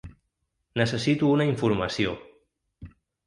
Necessito una informació.